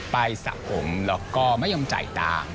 ไปสระผมแล้วก็ไม่ยอมใจตาม